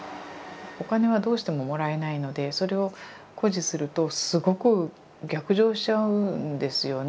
お金はどうしてももらえないのでそれを固辞するとすごく逆上しちゃうんですよね。